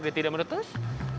dia tidak menutup